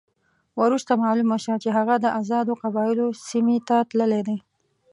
وروسته معلومه شوه چې هغه د آزادو قبایلو سیمې ته تللی دی.